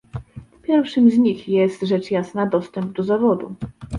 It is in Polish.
Pierwszym z nich jest, rzecz jasna, dostęp do zawodu